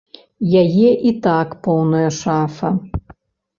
Яе і так поўная шафа.